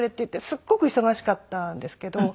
すごく忙しかったんですけど。